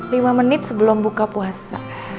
lima menit sebelum buka puasa